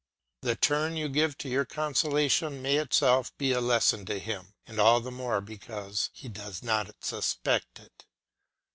The turn you give to your consolation may itself be a lesson to him, and all the more because he does not suspect it.